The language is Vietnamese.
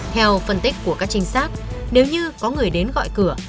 theo phân tích của các trinh sát nếu như có người đến gọi cửa